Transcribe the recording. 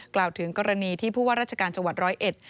กล่าวถึงกรณีที่ผู้ว่าราชการจังหวัด๑๐๑